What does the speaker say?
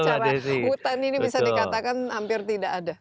cara hutan ini bisa dikatakan hampir tidak ada